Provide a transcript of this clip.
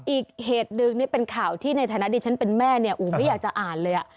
อีกเหตุหนึ่งนี่เป็นข่าวที่ในฐานะดิฉันเป็นแม่เนี่ยอู๋ไม่อยากจะอ่านเลย